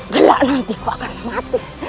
gelap nanti kau akan mati